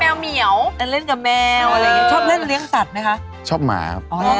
อ๋ออเป็นแมวเหนี่ยว